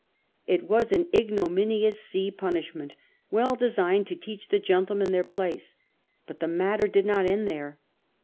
It was an ignominious sea punishment, well designed to teach the gentlemen their place. But the matter did not end there.